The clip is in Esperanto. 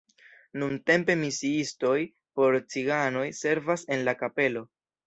Nuntempe misiistoj por ciganoj servas en la kapelo.